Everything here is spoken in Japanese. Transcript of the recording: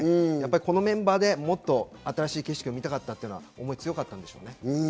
このメンバーでもっと新しい景色を見たかったという思いが強かったんでしょうね。